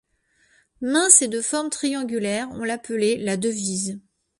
Mince et de forme triangulaire, on l'appelait la Devise.